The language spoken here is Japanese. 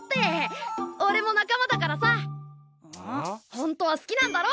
ほんとは好きなんだろ！？